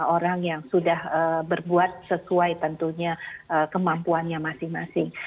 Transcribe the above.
orang yang sudah berbuat sesuai tentunya kemampuannya masing masing